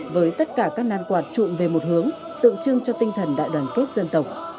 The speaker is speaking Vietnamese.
với tất cả các nan quạt trụng về một hướng tượng trưng cho tinh thần đại đoàn kết dân tộc